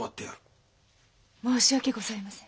申し訳ございません。